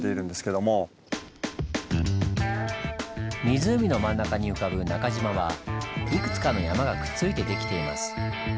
湖の真ん中に浮かぶ「中島」はいくつかの山がくっついて出来ています。